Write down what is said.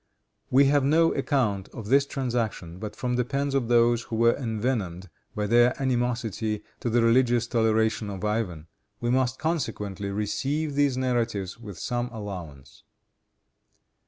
We have no account of this transaction but from the pens of those who were envenomed by their animosity to the religious toleration of Ivan. We must consequently receive their narratives with some allowance.